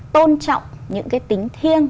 tôn trọng những cái tính thiêng